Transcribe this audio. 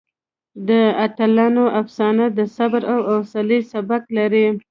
د اتلانو افسانه د صبر او حوصلې سبق لري.